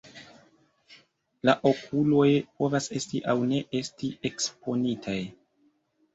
La okuloj povas esti aŭ ne esti eksponitaj.